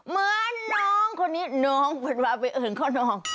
เมิ๊จน้องคนี้น้องมันหวานไปเอิญข้อน้อง